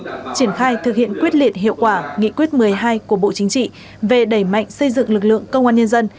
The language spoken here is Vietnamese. triển khai thực hiện quyết liệt hiệu quả nghị quyết một mươi hai của bộ chính trị về đẩy mạnh xây dựng lực lượng công an nhân dân